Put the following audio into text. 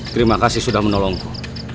terima kasih sudah menolongku